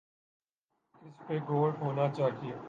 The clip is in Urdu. اس پہ غور ہونا چاہیے۔